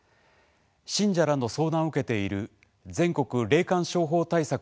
信者らの相談を受けている全国霊感商法対策